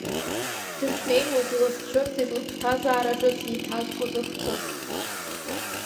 Дышнеиуаз илызцәырҵит лыԥсҭазаара ҿыц еиҭазкуаз ахҭыс.